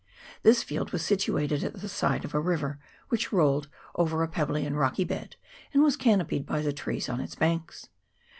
This field was situated at the side of a river, which rolled over a pebbly and rocky bed, and was canopied by the trees on its banks.